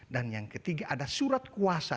dan yang ketiga ada surat kuasa